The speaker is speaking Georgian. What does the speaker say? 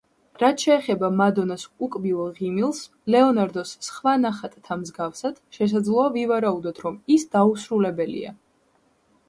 რაც შეეხება მადონას უკბილო ღიმილს, ლეონარდოს სხვა ნახატთა მსგავსად, შესაძლოა ვივარაუდოთ, რომ ის დაუსრულებელია.